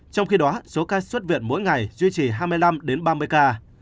trong khi đó số ca xuất viện mỗi ngày duy trì hai mươi năm ba mươi ca